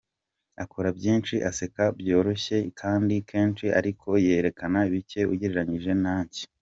Akora byinshi, aseka byoroshye kandi kenshi ariko yerekana bike ugereranyije nanjye” .